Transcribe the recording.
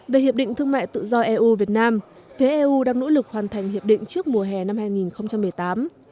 về hiệp định thương mại tự do eu việt nam phía eu đang nỗ lực hoàn thành hiệp định trước mùa hè năm hai nghìn một mươi tám